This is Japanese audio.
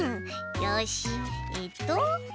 よしえっと。